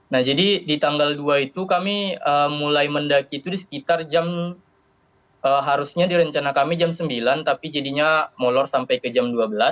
nah jadi di tanggal dua itu kami mulai mendaki itu di sekitar jam harusnya di rencana kami jam sembilan tapi jadinya molor sampai ke jam dua belas